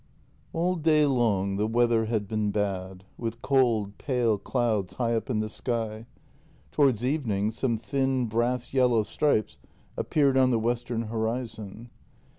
XI A LL day long the weather had been bad, with cold, pale clouds high up in the sky; towards evening some thin brass yellow stripes appeared on the western horizon.